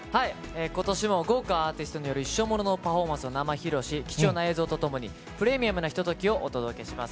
ことしも豪華アーティストによる一生モノのパフォーマンスを生披露し、貴重な映像とともに、プレミアムなひとときをお届けします。